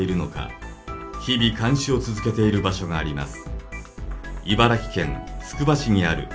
日々監視を続けている場所があります。